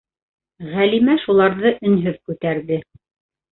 Ғәлимә шуларҙы өнһөҙ күтәрҙе.